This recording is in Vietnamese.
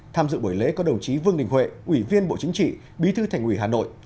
tham dự buổi lễ có đồng chí vương đình huệ ủy viên bộ chính trị bí thư thành ủy hà nội